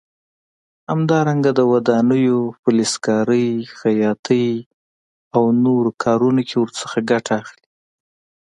همدارنګه د ودانیو، فلزکارۍ، خیاطۍ او نورو کارونو کې ورڅخه ګټه اخلي.